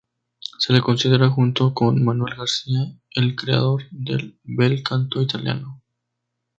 Se le considera junto con Manuel García el creador del bel canto italiano.